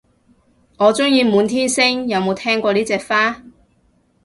我鍾意滿天星，有冇聽過呢隻花